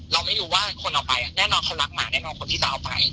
เราไม่รู้ว่าคนเอาไปแน่นอนเขารักหมาแน่นอนคนที่จะเอาไป